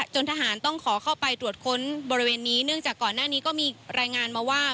ทหารต้องขอเข้าไปตรวจค้นบริเวณนี้เนื่องจากก่อนหน้านี้ก็มีรายงานมาว่า